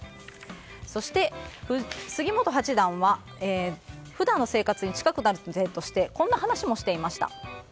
そして、杉本八段は普段の生活に近くなる例としてこんな話もしていました。